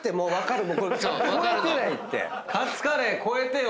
カツカレー超えてよ！